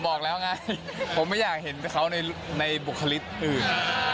บอกแล้วไงผมไม่อยากเห็นเขาในบุคลิกอื่น